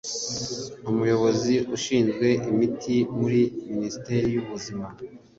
umuyobozi ushinzwe imiti muri Minisiteri y’ubuzima